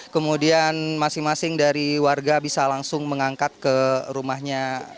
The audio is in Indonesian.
kemudian masing masing dari warga bisa langsung mengangkat ke rumahnya